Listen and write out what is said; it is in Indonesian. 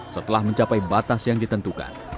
setelah mencapai batas yang ditentukan